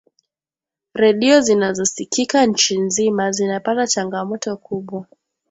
redio zinazosikika nchi nzima zinapata changamoto kubwa